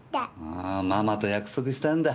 あママと約束したんだ。